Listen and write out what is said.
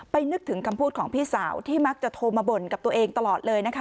นึกถึงคำพูดของพี่สาวที่มักจะโทรมาบ่นกับตัวเองตลอดเลยนะคะ